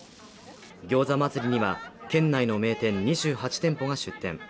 餃子祭りには県内の名店２８店舗が出店。